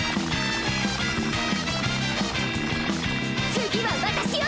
次は私よ！